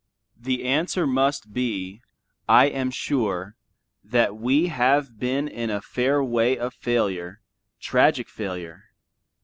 The answer must be, I am sure, that we have been in a fair way of failure, tragic failure.